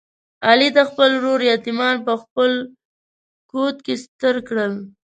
علي د خپل ورور یتیمان په خپل کوت کې ستر کړل.